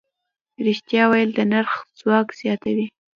رښتیا ویل د خرڅ ځواک زیاتوي.